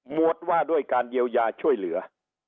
วดว่าด้วยการเยียวยาช่วยเหลือ